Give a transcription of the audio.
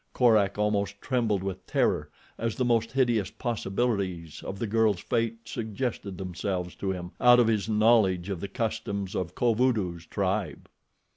Korak almost trembled with terror as the most hideous possibilities of the girl's fate suggested themselves to him out of his knowledge of the customs of Kovudoo's tribe.